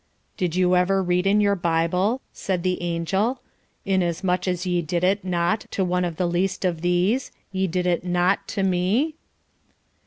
"Did you ever read in your Bible, said the angel, 'Inasmuch as ye did it not to one of the least of these, ye did it not to Me?'"